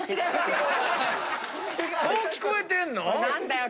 そう聞こえてんの⁉何だよ